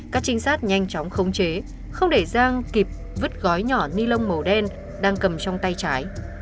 các trinh sát nhanh chóng khống chế không để giang kịp vứt gói nhỏ ni lông màu đen đang cầm trong tay trái